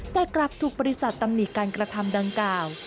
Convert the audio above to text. แต่กลับถูกบริษัทตำหนิการกระทำดังกล่าว